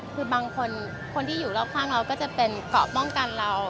คือบางคนคนที่อยู่รอบข้างเราก็จะเป็นเกาะป้องกันเรา